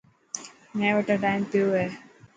مين وٽان ٽائم پيو هي.